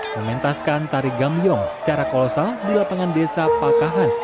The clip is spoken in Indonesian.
mementaskan tari gamyong secara kolosal di lapangan desa pakahan